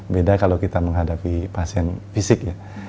beda kalau kita menghadapi pasien fisik ya